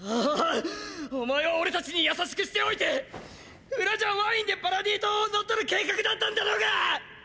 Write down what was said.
はぁ⁉お前は俺たちに優しくしておいて裏じゃワインでパラディ島を乗っ取る計画だったんだろうが！！